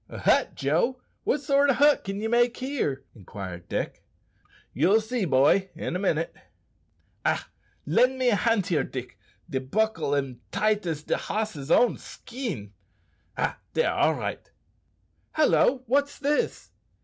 "A hut, Joe! what sort o' hut can ye make here?" inquired Dick. "Ye'll see, boy, in a minute." "Ach! lend me a hand here, Dick; de bockle am tight as de hoss's own skin. Ah! dere all right." "Hallo! what's this?"